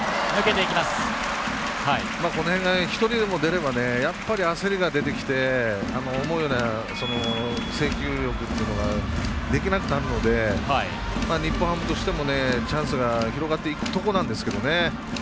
この辺、１人でも出れば焦りが出てきて思うような制球力っていうのができなくなるので日本ハムとしてもチャンスが広がっていくとこなんですけどね。